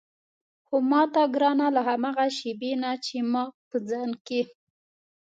هو ماته ګرانه له هماغه شېبې نه چې ما په ځان کې.